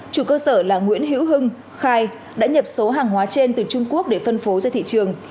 chủ cơ sở là nguyễn hữu hưng khai đã nhập số hàng hóa trên từ trung quốc để phân phối ra thị trường